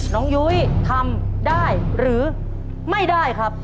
ยุ้ยทำได้หรือไม่ได้ครับ